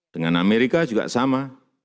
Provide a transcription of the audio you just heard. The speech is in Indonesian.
dengan amerika juga sama